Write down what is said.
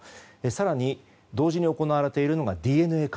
更に、同時に行われているのがＤＮＡ鑑定。